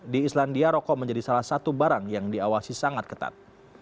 di islandia rokok menjadi salah satu barang yang diawasi sangat ketat